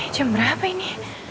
jam berapa ini